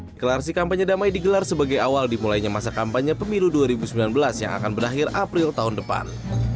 deklarasi kampanye damai digelar sebagai awal dimulainya masa kampanye pemilu dua ribu sembilan belas yang akan berakhir april tahun depan